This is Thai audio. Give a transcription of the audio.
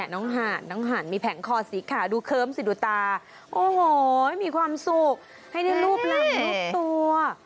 น้องหานมีแผงคอสีขาวดูเคิ้มสิดูตาโอ้โหมีความสุขให้ได้รูปหลังรูปตัว